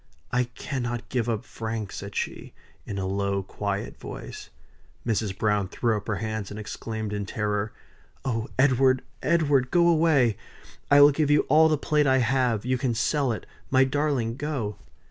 "I cannot give up Frank," said she, in a low, quiet voice. Mrs. Browne threw up her hands and exclaimed in terror: "Oh Edward, Edward! go away I will give you all the plate I have; you can sell it my darling, go!"